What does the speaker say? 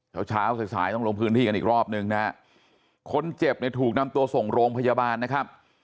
เช้าเช้าสายสายต้องลงพื้นที่กันอีกรอบนึงนะฮะคนเจ็บเนี่ยถูกนำตัวส่งโรงพยาบาลนะครับ